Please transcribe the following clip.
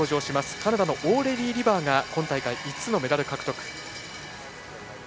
カナダのオーレリー・リバーが今大会、５つのメダル獲得。